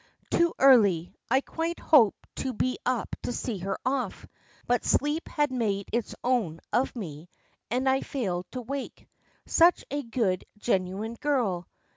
"Too early. I quite hoped to be up to see her off, but sleep had made its own of me and I failed to wake. Such a good, genuine girl!